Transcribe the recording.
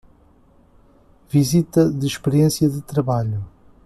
Visita de experiência de trabalho